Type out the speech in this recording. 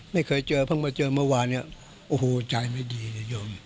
ไม่เคยเจอเพิ่งมาเจอเมื่อวานเนี่ยโอ้โหใจไม่ดีเลยโยม